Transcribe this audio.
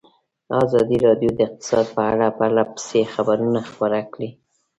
ازادي راډیو د اقتصاد په اړه پرله پسې خبرونه خپاره کړي.